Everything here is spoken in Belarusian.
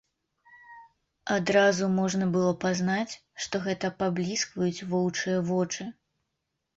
Адразу можна было пазнаць, што гэта пабліскваюць воўчыя вочы.